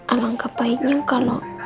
alangkah baiknya kalau